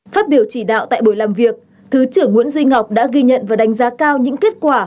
phát biểu chỉ đạo tại buổi làm việc thứ trưởng nguyễn duy ngọc đã ghi nhận và đánh giá cao những kết quả